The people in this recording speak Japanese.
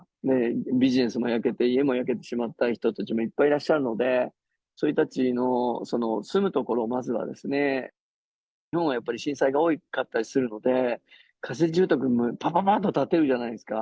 ビジネスも焼けて、家も焼けてしまった人たちもいっぱいいらっしゃるので、そういう人たちの住む所をまずはですね、日本はやっぱり震災が多かったりするので、仮設住宅をぱぱぱっと建てるじゃないですか。